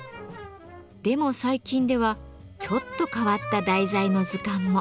でも最近ではちょっと変わった題材の図鑑も。